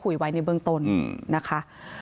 อืมว่านี่คือรถของนางสาวกรรณิการก่อนจะได้ชัดเจนไป